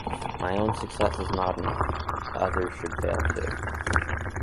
My own success is not enough, other should fail too.